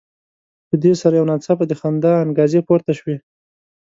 په دې سره یو ناڅاپه د خندا انګازې پورته شوې.